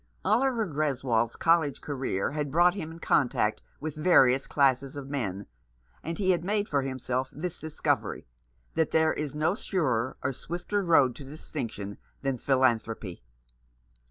Oliver Greswold's college career had brought him in contact with various classes of men, and he had made for himself this discovery, that there is no surer or swifter road to distinction than philanthropy.